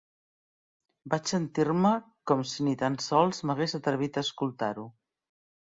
Vaig sentir-me con si ni tan sols m'hagués atrevit a escoltar-ho.